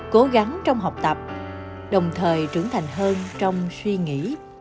cố gắng trong học tập đồng thời trưởng thành hơn trong suy nghĩ